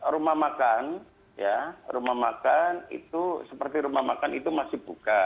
rumah makan rumah makan itu seperti rumah makan itu masih buka